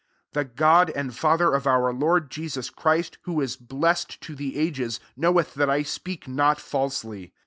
31 The God and Father of our Lord Jesus Christ, who ia blessed to the ages, knoweth that I speak not falsely.